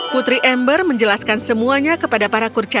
putri amber menjelaskan semuanya kepada para kurcacinya